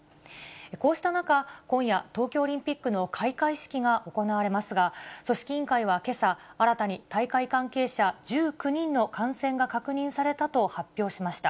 こうした中、今夜東京オリンピックの開会式が行われますが、組織委員会はけさ、新たに大会関係者１９人の感染が確認されたと発表しました。